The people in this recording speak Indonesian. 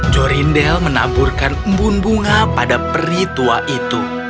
jorindel menaburkan embun bunga pada peri tua itu